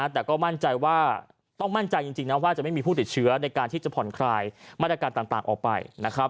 แต่ก็มั่นใจว่าต้องมั่นใจจริงนะว่าจะไม่มีผู้ติดเชื้อในการที่จะผ่อนคลายมาตรการต่างออกไป